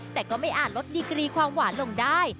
แต่ก็ไม่อาจลดดีกรีความหวานลงได้